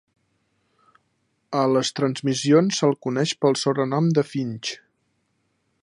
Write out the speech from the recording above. A les transmissions se'l coneix pel sobrenom de "Finchy".